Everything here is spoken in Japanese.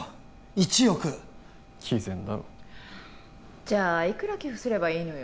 １億偽善だろじゃあいくら寄付すればいいのよ